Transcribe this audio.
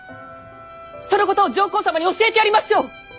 そのことを上皇様に教えてやりましょう！